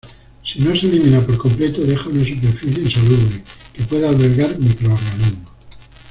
Si no se elimina por completo deja una superficie insalubre que puede albergar microorganismos.